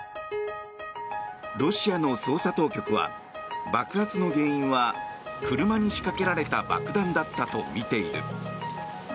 ロシアの捜査当局は爆発の原因は車に仕掛けられた爆弾だったとみている。